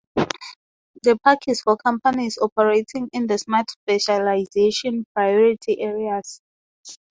The Park is for companies operating in the smart specialization priority areas.